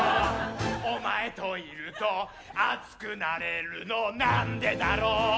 「お前といると熱くなれるのなんでだろう」